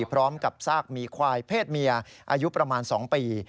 พร้อมกับซากหมีควายเพศเมียอายุประมาณ๒ปี